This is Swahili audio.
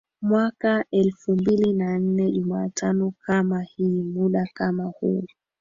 mwaka elfu mbili na nne jumatano kama hii muda kama huu